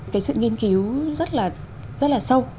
cái sự nghiên cứu rất là sâu